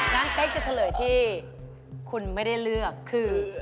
เป๊กจะเฉลยที่คุณไม่ได้เลือกคือ